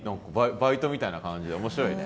バイトみたいな感じで面白いね。